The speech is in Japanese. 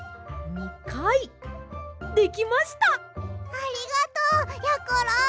ありがとうやころ！